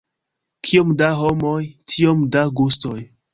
Kiom da homoj, tiom da gustoj.